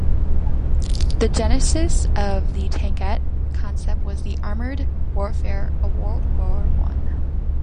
The genesis of the tankette concept was the armoured warfare of World War One.